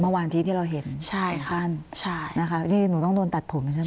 เมื่อวานที่ที่เราเห็นใช่ค่ะที่นี่หนูต้องโดนตัดผมใช่ไหม